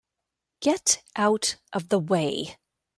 Get out of the way!